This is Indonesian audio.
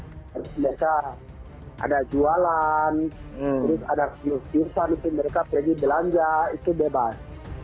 mereka ada jualan terus ada jurusan itu mereka pergi belanja itu bebas